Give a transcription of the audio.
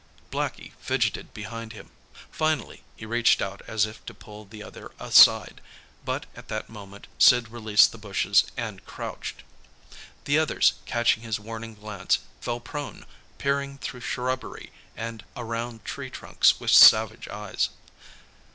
Blackie fidgeted behind him. Finally, he reached out as if to pull the other aside, but at that moment Sid released the bushes and crouched. The others, catching his warning glance, fell prone, peering through shrubbery and around tree trunks with savage eyes.